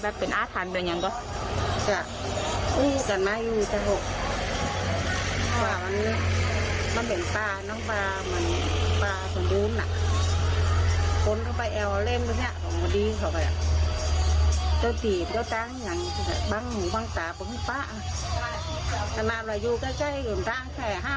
สำหรับอยู่ใกล้หลายครั้งแค่